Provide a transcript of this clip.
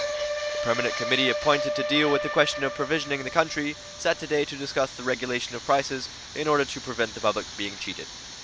A permanent committee appointed to deal with the question of provisioning the country, sat today to discuss the regulation of prices in order to prevent the public being cheated.